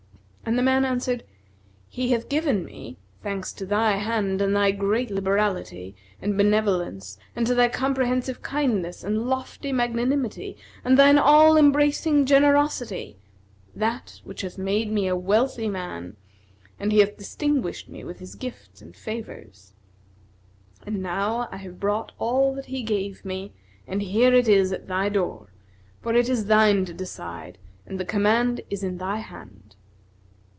and the man answered, "He hath given me, thanks to thy hand and thy great liberality and benevolence and to thy comprehensive kindness and lofty magnanimity and thine all embracing generosity, that which hath made me a wealthy man and he hath distinguished me with his gifts and favours. And now I have brought all that he gave me and here it is at thy door; for it is thine to decide and the command is in thy hand."